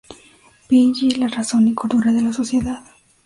Piggy, la razón y cordura de la sociedad.